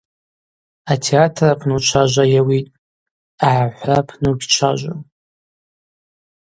Атеатр апны учважва йауитӏ, агӏахӏвра апны угьчважвум.